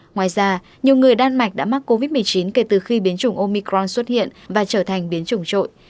ngoài ra nhiều người đan mạch đã mắc covid một mươi chín kể từ khi biến chủng omicron xuất hiện và trở thành biến chủng